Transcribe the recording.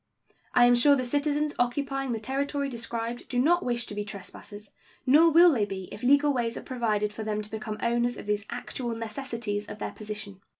I am sure the citizens occupying the territory described do not wish to be trespassers, nor will they be if legal ways are provided for them to become owners of these actual necessities of their position.